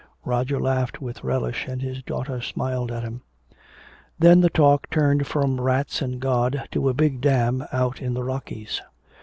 '" Roger laughed with relish, and his daughter smiled at him: "Then the talk turned from rats and God to a big dam out in the Rockies.